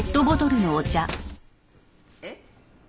えっ？